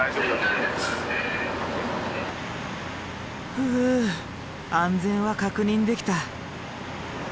ふぅ安全は確認できた。